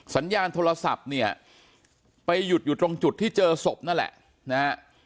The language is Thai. สัญญาณโทรศัพท์เนี่ยไปหยุดอยู่ตรงจุดที่เจอศพนั่นแหละนะฮะ